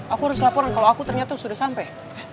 aku harus laporan kalau aku ternyata sudah sampai